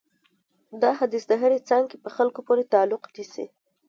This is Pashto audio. دا حدیث د هرې څانګې په خلکو پورې تعلق نیسي.